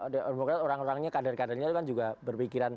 demokrat orang orangnya kader kadernya kan juga berpikiran